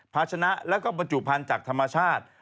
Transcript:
ภาชนะและประจุภัณฑ์จากธรรมชาติ